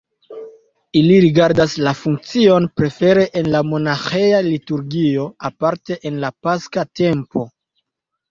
Ili rigardas la funkcion prefere en la monaĥeja liturgio, aparte en la paska tempo.